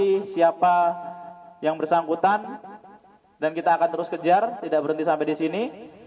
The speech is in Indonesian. mencari siapa yang bersangkutan dan kita akan terus kejar tidak berhenti sampai di sini